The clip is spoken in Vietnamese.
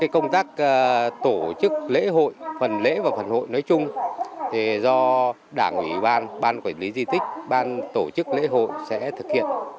công tác tổ chức lễ hội phần lễ và phần hội nói chung do đảng ủy ban ban quản lý di tích ban tổ chức lễ hội sẽ thực hiện